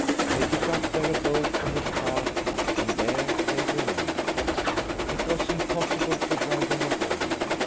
They took up their abode in the park and there they remained. It was impossible to drive them away.